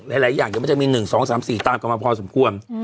หลายอย่างเดี๋ยวมันจะมี๑๒๓๔ตามกันมาพอสมควร